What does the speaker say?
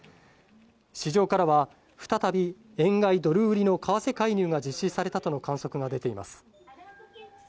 市場からは、再び円買いドル売りの為替介入が実施されたとの観測が出ています。